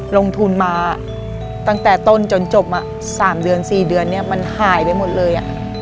ลงทุนมาตั้งแต่ต้นจนจบ๓๔เดือนมันหายไปหมดเลย